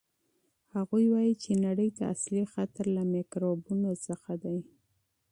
هغوی وایي چې نړۍ ته اصلي خطر له میکروبونو څخه دی.